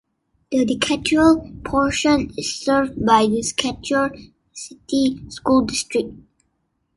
The Decatur portion is served by Decatur City School District.